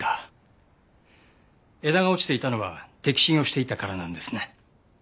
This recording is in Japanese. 枝が落ちていたのは摘芯をしていたからなんですね。